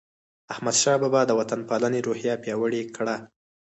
احمدشاه بابا د وطن پالنې روحیه پیاوړې کړه.